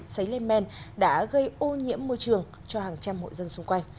xấy lên men đã gây ô nhiễm môi trường cho hàng trăm hội dân xung quanh